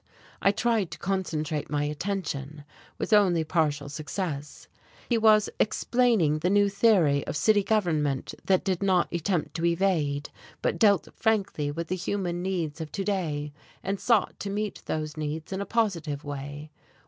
I tried to concentrate my attention, with only partial success. He was explaining the new theory of city government that did not attempt to evade, but dealt frankly with the human needs of to day, and sought to meet those needs in a positive way...